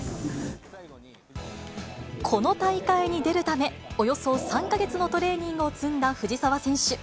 この大会に出るため、およそ３か月のトレーニングを積んだ藤澤選手。